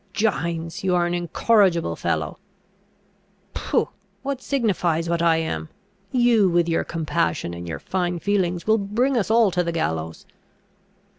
"Gines! you are an incorrigible fellow." "Pooh, what signifies what I am? You, with your compassion, and your fine feelings, will bring us all to the gallows."